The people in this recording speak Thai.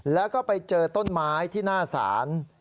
แล้วก็ไปเจอต้นไม้ที่หน้าศาล